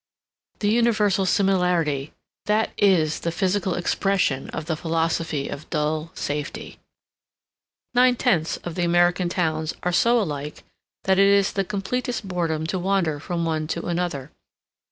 The universal similarity that is the physical expression of the philosophy of dull safety. Nine tenths of the American towns are so alike that it is the completest boredom to wander from one to another.